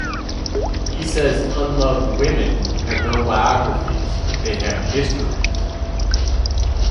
He says unloved women have no biographies — they have histories.